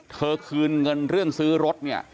คืนเงินเรื่องซื้อรถเนี่ย